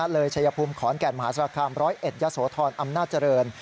เลยชัยภูมิขอนแก่มหาศาลคามร้อยเอ็ดยะโสธรอำนาจเจริญ